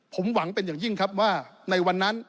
ผมหวังเป็นอย่างยิ่งครับว่าในวันนั้น